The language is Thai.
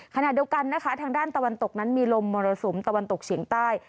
ขณะเดียวกันนะคะทางด้านตะวันตกนั้นมีลมมรสุมตะวันตกเฉียงใต้